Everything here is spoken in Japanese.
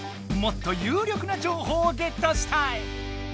もっと有力な情報をゲットしたい！